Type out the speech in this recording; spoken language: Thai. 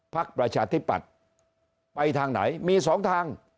ภักดิ์ประชาธิปัตย์ไปทางไหนมี๒ทาง